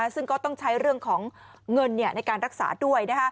ซึ่งก็ต้องใช้เรื่องของเงินในการรักษาด้วย